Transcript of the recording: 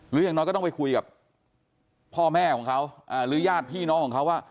อย่างน้อยก็ต้องไปคุยกับพ่อแม่ของเขาหรือญาติพี่น้องของเขาว่า